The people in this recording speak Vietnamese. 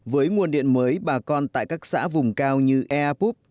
với nguồn điện mới bà con tại các xã vùng cao như eapup